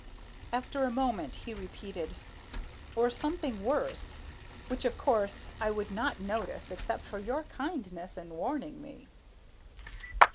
After a moment he repeated, "Or something worse, which of course I would not notice except for your kindness in warning me."